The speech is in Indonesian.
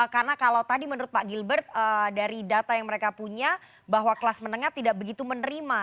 karena kalau tadi menurut pak gilbert dari data yang mereka punya bahwa kelas menengah tidak begitu menerima